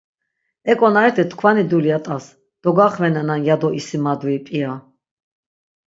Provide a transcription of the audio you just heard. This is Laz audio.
E ǩonariti tkvani dulya t̆as, dogaxvenenan ya do isimadui p̌ia?